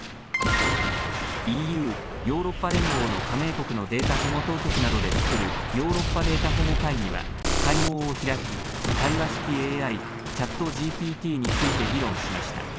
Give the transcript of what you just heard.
ＥＵ・ヨーロッパ連合の加盟国のデータ保護当局などで作るヨーロッパデータ保護会議は会合を開き対話式ＡＩ、ＣｈａｔＧＰＴについて議論しました。